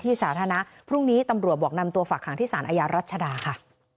สาธารณะพรุ่งนี้ตำรวจบอกนำตัวฝากหางที่สารอาญารัชดาค่ะ